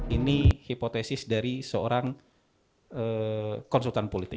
ini hipotesis dari seorang konsultan politik